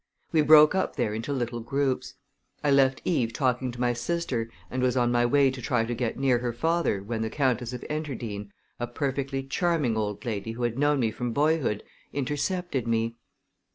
We broke up there into little groups. I left Eve talking to my sister and was on my way to try to get near her father when the Countess of Enterdean, a perfectly charming old lady who had known me from boyhood, intercepted me.